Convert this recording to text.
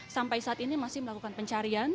sampai saat ini masih melakukan pencarian